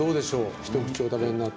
一口、お食べになって。